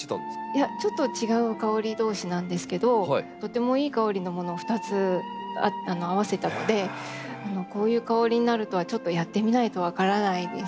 いやちょっと違う香り同士なんですけどとてもいい香りのものを２つ合わせたのでこういう香りになるとはちょっとやってみないと分からないんですが。